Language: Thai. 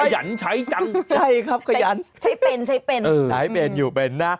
ยันใช้จังใช่ครับขยันใช้เป็นใช้เป็นเออใช้เป็นอยู่เป็นนะ